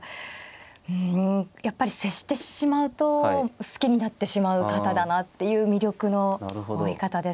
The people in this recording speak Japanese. うんやっぱり接してしまうと好きになってしまう方だなっていう魅力の多い方ですね。